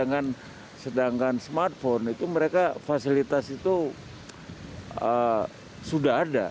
nah sedangkan smartphone itu mereka fasilitas itu sudah ada